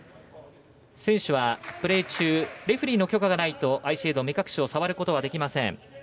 選手はプレー中レフェリーの許可がないとアイシェード、目隠しを触ることができません。